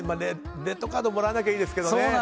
レッドカードもらわなきゃいいですけどね。